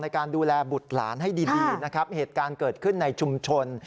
ในการดูแลบุตรหลานให้ดีนะครับเหตุการณ์เกิดขึ้นในชุมชน